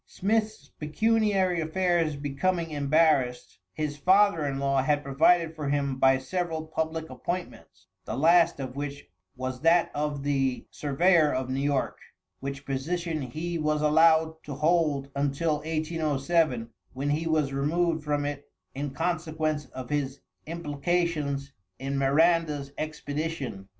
Smith's pecuniary affairs becoming embarrassed, his father in law had provided for him by several public appointments, the last of which was that of the surveyor of New York, which position he was allowed to hold until 1807, when he was removed from it in consequence of his implication in Miranda's expedition.